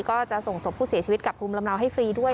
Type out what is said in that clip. ก็จะส่งศพผู้เสียชีวิตกลับภูมิลำเนาให้ฟรีด้วย